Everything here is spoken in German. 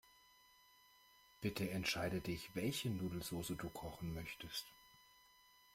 Bitte entscheide dich, welche Nudelsoße du kochen möchtest.